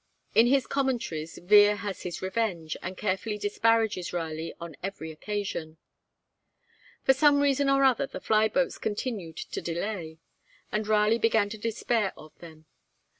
In his Commentaries Vere has his revenge, and carefully disparages Raleigh on every occasion. For some reason or other, the fly boats continued to delay, and Raleigh began to despair of them.